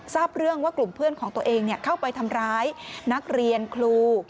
ทราบเรื่องว่ากลุ่มเพื่อนของตัวเองเข้าไปทำร้ายนักเรียนครู